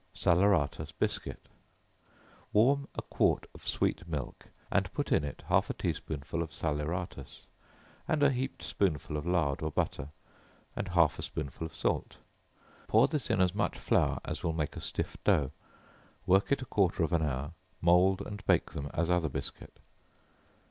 Salaeratus Biscuit. Warm a quart of sweet milk, and put in it half a tea spoonful of salaeratus, and a heaped spoonful of lard or butter, and half a spoonful of salt; pour this in as much flour as will make a stiff dough; work it a quarter of an hour; mould and bake them as other biscuit.